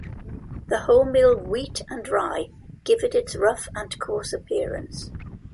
The wholemeal wheat and rye give it its rough and coarse appearance.